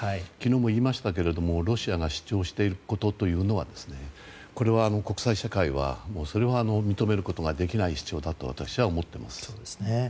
昨日も言いましたけれどもロシアが主張していることをこれは国際社会は認めることができない主張だと私は思っています。